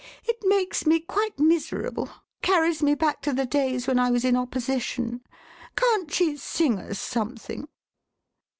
"It makes me quite miserable — carries me back to the days when I was in Opposition. Can't she sing us something?